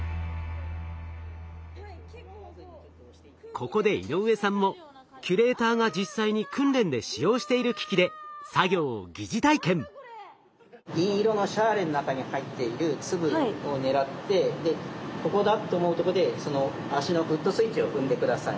ここで井上さんもキュレーターが実際に訓練で使用している機器で銀色のシャーレの中に入っている粒を狙ってここだと思うとこでその足のフットスイッチを踏んで下さい。